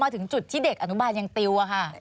ที่เด็กอนุบาลยังติวอะคะ